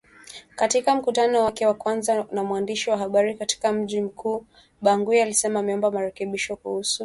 katika mkutano wake wa kwanza na waandishi wa habari katika mji mkuu Bangui alisema ameomba marekebisho kuhusu dhamira ya kikosi chetu